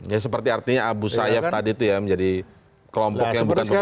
ya seperti artinya abu sayyaf tadi itu ya menjadi kelompok yang bukan begitu